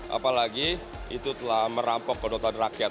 apalagi itu telah merampok kedoktan rakyat